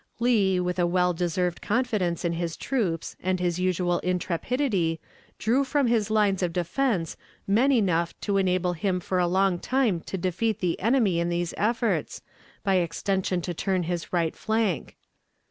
Lee, with a well deserved confidence in his troops and his usual intrepidity, drew from his lines of defense men enough to enable him for a long time to defeat the enemy in these efforts, by extension to turn his right flank.